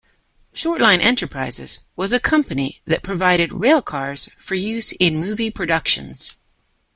Short Line Enterprises was a company that provided railcars for use in movie productions.